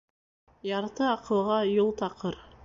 Ярты аҡылға юл таҡыр.